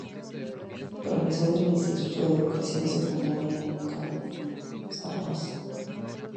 Profesor del instituto de educación secundaria en Cariñena, Zaragoza.